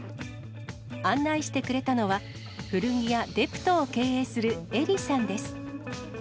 案内してくれたのは、古着屋、デプトを経営するエリさんです。